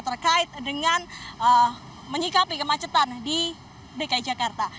terkait dengan menyikapi kemacetan di dki jakarta